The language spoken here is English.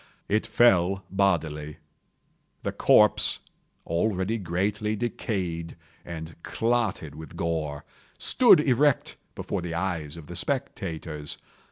It fell bodily. The corpse, already greatly decayed and clotted with gore, stood erect before the eyes of the spectators.